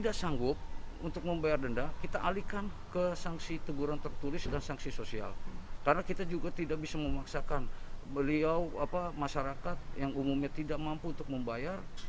karena kita juga tidak bisa memaksakan beliau masyarakat yang umumnya tidak mampu untuk membayar